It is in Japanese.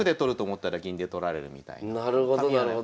なるほどなるほど。